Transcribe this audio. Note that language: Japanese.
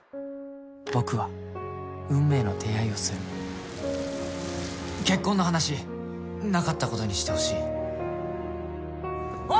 僕は運命の出会いをする結婚の話なかったことにしてほしいおい